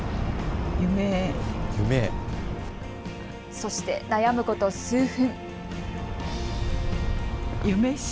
そして悩むこと数分。